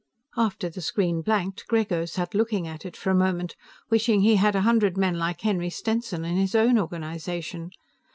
After the screen blanked, Grego sat looking at it for a moment, wishing he had a hundred men like Henry Stenson in his own organization.